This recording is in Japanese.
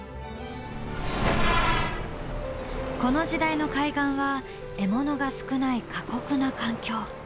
この時代の海岸は獲物が少ない過酷な環境。